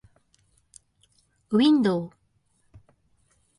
window